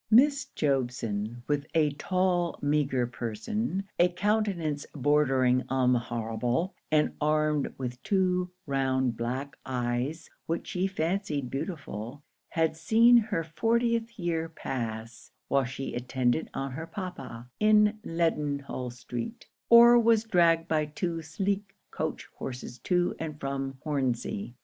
Miss Jobson, with a tall, meagre person, a countenance bordering on the horrible, and armed with two round black eyes which she fancied beautiful, had seen her fortieth year pass, while she attended on her papa, in Leadenhall street, or was dragged by two sleek coach horses to and from Hornsey.